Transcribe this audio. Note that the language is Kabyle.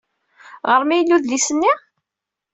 Ɣer-m ay yella udlis-nni?